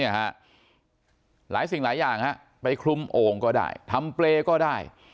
หลายสิ่งหลายอย่างฮะไปคลุมโอ่งก็ได้ทำเปรย์ก็ได้